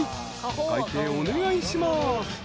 ［お会計お願いします］